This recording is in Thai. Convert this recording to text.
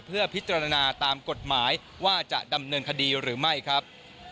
เพื่อพิจารณาตามกฎหมายว่าจะดำเนินคดีหรือไม่ครับ